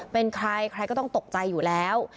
เป็นใครใครก็ต้องตกใจอยู่แล้ว